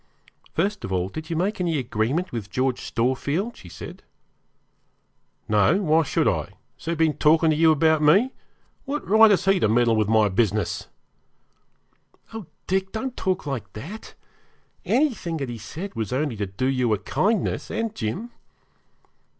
'First of all, did you make any agreement with George Storefield?' she said. 'No; why should I? Has he been talking to you about me? What right has he to meddle with my business?' 'Oh, Dick, don't talk like that. Anything that he said was only to do you a kindness, and Jim.'